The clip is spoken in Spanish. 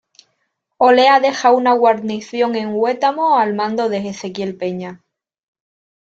Olea deja una guarnición en Huetamo al mando de Ezequiel Peña.